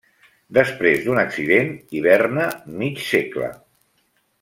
Després d'un accident, hiberna mig segle.